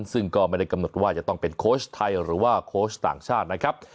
ซึ่งก็ไม่ได้กำหนดว่าจะต้องเป็นโค้ชไทยหรือว่าโค้ชต่างชาตินะครับ